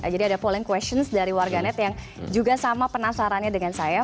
jadi ada polling questions dari warganet yang juga sama penasarannya dengan saya